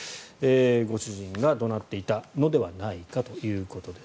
ご主人が怒鳴っていたのではないかということです。